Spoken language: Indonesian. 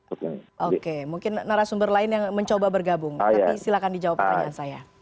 oke mungkin narasumber lain yang mencoba bergabung tapi silahkan dijawab pertanyaan saya